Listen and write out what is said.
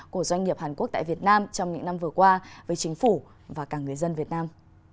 của doanh nghiệp hàn quốc tại việt nam trong những năm vừa qua với chính phủ và cả người dân việt nam